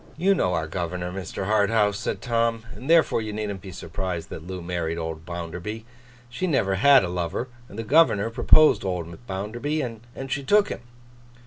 'You know our governor, Mr. Harthouse,' said Tom, 'and therefore, you needn't be surprised that Loo married old Bounderby. She never had a lover, and the governor proposed old Bounderby, and she took him.